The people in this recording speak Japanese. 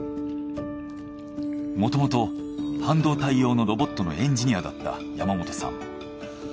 もともと半導体用のロボットのエンジニアだった山本さん。